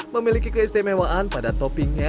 memiliki krisis mewaan pada toppingnya